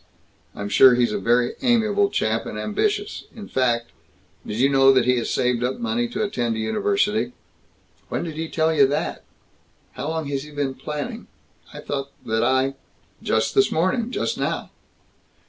I'm sure he's a very amiable chap, and ambitious. In fact Did you know that he has saved up money to attend a university?" "When did he tell you that? How long has he been planning I thought that I " "Just this morning; just now."